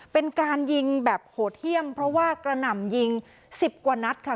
เป็นการยิงแบบโหดเยี่ยมเพราะว่ากระหน่ำยิง๑๐กว่านัดค่ะ